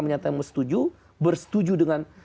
menyatakan setuju bersetuju dengan